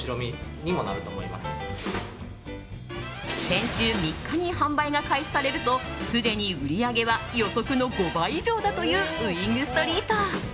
先週３日に販売が開始されるとすでに売り上げは予測の５倍以上だというウイングストリート。